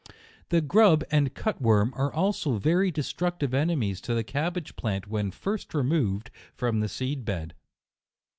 The grub and cut worm are also very de structive enemies to the cabbage plant when first removed from the seed bed.